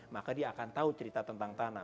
maka dia akan tahu cerita tentang tanah